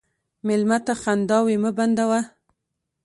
مېلمه ته خنداوې مه بندوه.